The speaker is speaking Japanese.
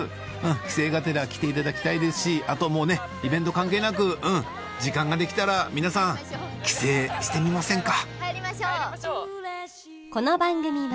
帰省がてら来ていただきたいですしあともうねイベント関係なく時間ができたら皆さん帰省してみませんか？